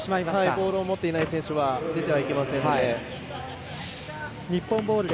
ボールを持っていない選手は出てはいけませんので。